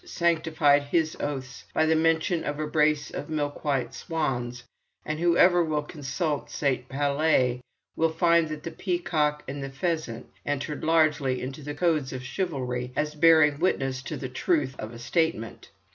sanctified his oaths by the mention of a brace of milk white swans, and whoever will consult St. Palaye will find that the peacock and the pheasant entered largely into the codes of chivalry as bearing witness to the truth of a statement.